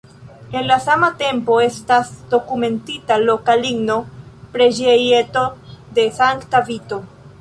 En la sama tempo estas dokumentita loka ligna preĝejeto de sankta Vito.